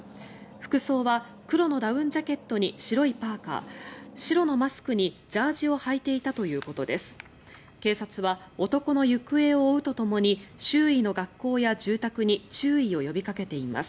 服装は黒のダウンジャケットに白いパーカ白のマスクに、ジャージーをはいていたということです。